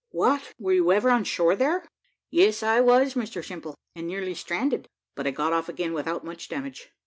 "What, were you ever on shore there?" "Yes, I was, Mr Simple, and nearly stranded, but I got off again without much damage."